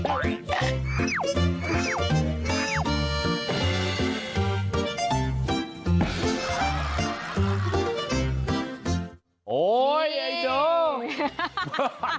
โอ๊ยเน็ตโชว์